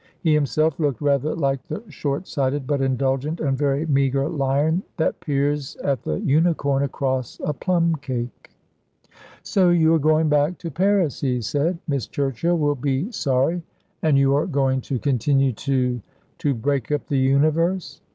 He himself looked rather like the short sighted, but indulgent and very meagre lion that peers at the unicorn across a plum cake. "So you are going back to Paris," he said. "Miss Churchill will be sorry. And you are going to continue to to break up the universe?"